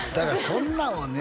そんなんをね